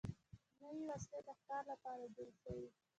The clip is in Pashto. نوې وسلې د ښکار لپاره جوړې شوې.